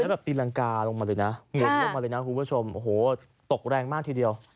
แบบตีรังกาลงมาเลยนะหมุนลงมาเลยนะคุณผู้ชมโอ้โหตกแรงมากทีเดียว